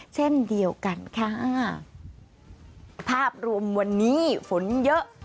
เช่นเดียวกันค่ะภาพรวมวันนี้ฝนเยอะ